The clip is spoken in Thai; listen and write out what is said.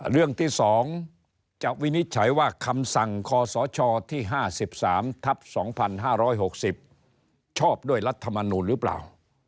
เรื่องที่๒จะวินิจฉัยว่าคำสั่งคศที่๕๓ทับ๒๕๖๐ชอบด้วยรัฐมนูลหรือเปล่า